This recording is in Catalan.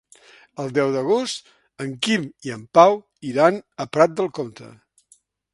El deu d'agost en Quim i en Pau iran a Prat de Comte.